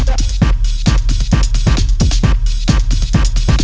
mereka akan pergi ke sekolah